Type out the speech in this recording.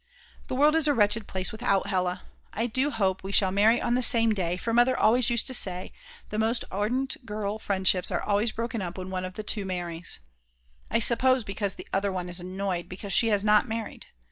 The world is a wretched place without Hella. I do hope we shall marry on the same day, for Mother always used to say: "The most ardent girl friendships are always broken up when one of the two marries." I suppose because the other one is annoyed because she has not married.